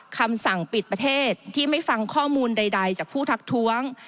คำสั่งปิดประเทศที่ไม่ฟังข้อมูลใดจากผู้ทักท้วง